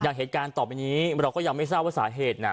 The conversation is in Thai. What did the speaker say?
เหตุการณ์ต่อไปนี้เราก็ยังไม่ทราบว่าสาเหตุน่ะ